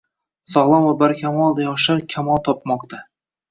Sog‘lom va barkamol yoshlar kamol topmoqdang